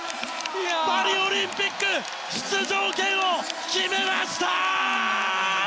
パリオリンピック出場権を決めました！